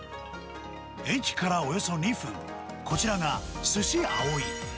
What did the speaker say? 駅からおよそ２分、こちらが寿司あおい